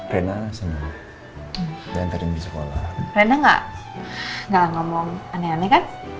rina semua nganterin di sekolah rina enggak ngomong aneh aneh